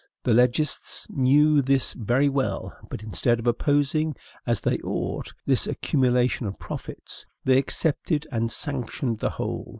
The legists knew this very well, but instead of opposing, as they ought, this accumulation of profits, they accepted and sanctioned the whole.